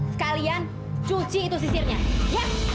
sekalian cuci itu sisirnya ya